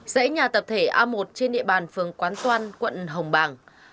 dãy nhà tập thể a một trên địa bàn phường quán toan quận hồng bàng